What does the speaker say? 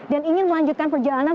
dan ingin melanjutkan perjalanan